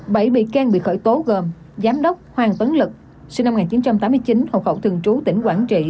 bảy bị can bị khởi tố gồm giám đốc hoàng tuấn lực sinh năm một nghìn chín trăm tám mươi chín hộ khẩu thường trú tỉnh quảng trị